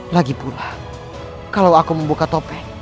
lagi pula kalau aku membuka topeng